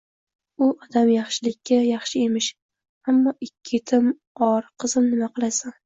U odam yaxshilikka yaxshi emish, ammo ikki yetimn or, qizim, nima qilasan?